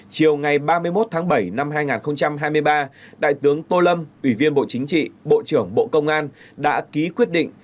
chiều ngày ba mươi một tháng bảy năm hai nghìn hai mươi ba đại tướng tô lâm ủy viên bộ chính trị bộ trưởng bộ công an đã ký quyết định